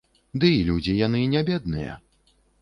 Ды і людзі яны не бедныя.